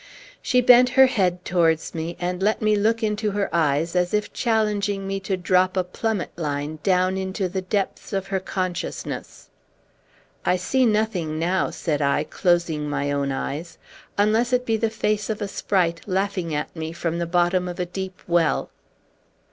She bent her head towards me, and let me look into her eyes, as if challenging me to drop a plummet line down into the depths of her consciousness. "I see nothing now," said I, closing my own eyes, "unless it be the face of a sprite laughing at me from the bottom of a deep well."